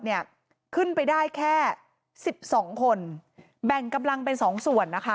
เนี่ยขึ้นไปได้แค่สิบสองคนแบ่งกำลังเป็นสองส่วนนะคะ